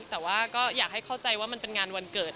แต่ว่าก็อยากให้เข้าใจว่ามันเป็นงานวันเกิด